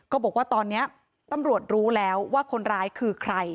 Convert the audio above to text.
บอกว่าตอนนี้ตำรวจรู้แล้วว่าคนร้ายคือใคร